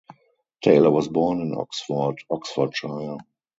Taylor was born in Oxford, Oxfordshire.